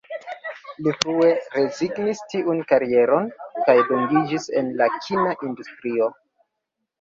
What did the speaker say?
Li frue rezignis tiun karieron, kaj dungiĝis en la kina industrio.